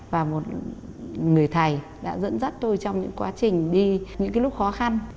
và một người thầy đã dẫn dắt tôi trong những quá trình đi những cái lúc khó khăn